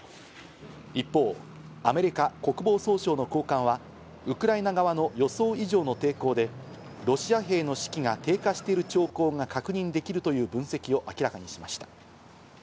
一方、アメリカ国防総省の高官はウクライナ側の予想以上の抵抗で、ロシア兵の士気が低下している兆候が確認できるという分析を明らかにしました。